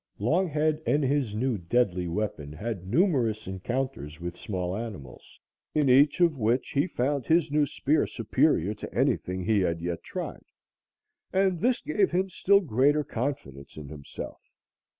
Longhead and his new deadly weapon had numerous encounters with small animals, in each of which he found his new spear superior to anything he had yet tried, and this gave him still greater confidence in himself.